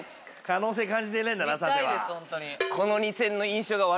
可能性感じてねえんだなさては。